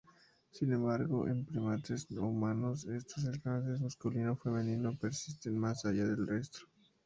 Sin embargo, en primates no humanos, estos enlaces masculino-femenino persisten más allá del estro.